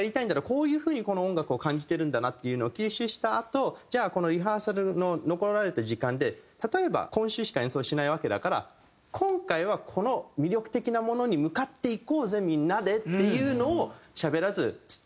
こういう風にこの音楽を感じてるんだなっていうのを吸収したあとじゃあこのリハーサルの残された時間で例えば「今週しか演奏しないわけだから今回はこの魅力的なものに向かっていこうぜみんなで」っていうのをしゃべらず。